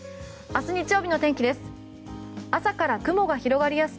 明日日曜日の天気です。